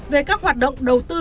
về các hoạt động đầu tư